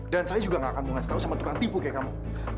dan saya juga gak akan mengasih tau sama tukang tipu kayak kamu